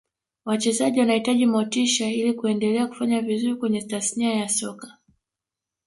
wachezaji wanahitaji motisha ili kuendelea kufanya vizuri kwenye tasnia ya soka